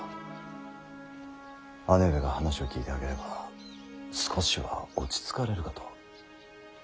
姉上が話を聞いてあげれば少しは落ち着かれるかと。